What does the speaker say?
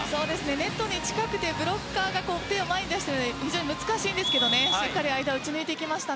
ネットに近くてブロッカーが手を前に出して難しかったですがしっかり間を打ち抜いていきました。